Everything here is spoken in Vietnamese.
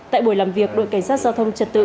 tại buổi làm việc đội cảnh sát giao thông trật tự